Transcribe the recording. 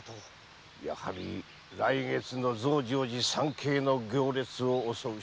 やはり来月の増上寺参詣の行列を襲うしかないか。